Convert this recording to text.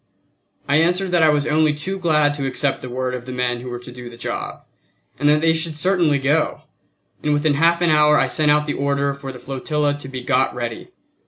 I answered that I was only too glad to accept the word of the men who were to do the job, and that they should certainly go; and within half an hour I sent out the order for the flotilla to be got ready.